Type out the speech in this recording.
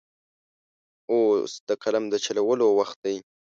اوس د قلم د چلولو وخت دی.